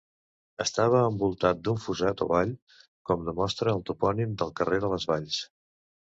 Estava envoltat d'un fossat o vall, com demostra el topònim del carrer de les Valls.